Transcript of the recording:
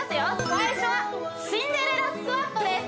最初はシンデレラスクワットです